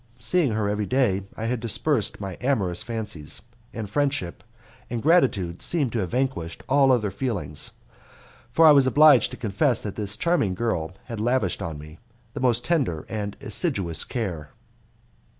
Seeing her every day, I had dispersed my amorous fancies, and friendship and gratitude seemed to have vanquished all other feelings, for I was obliged to confess that this charming girl had lavished on me the most tender and assiduous care.